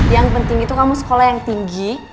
yang penting itu kamu sekolah yang tinggi